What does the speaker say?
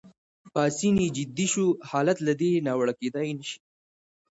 پاسیني جدي شو: حالت له دې ناوړه کېدای نه شي.